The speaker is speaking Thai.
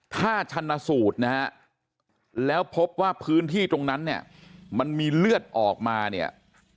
ถ้าชันสูตรนะฮะแล้วพบว่าพื้นที่ตรงนั้นเนี่ยมันมีเลือดออกมาเนี่ย